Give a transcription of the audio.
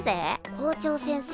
校長先生